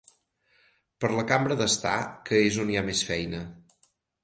Per la cambra d'estar, que és on hi ha més feina.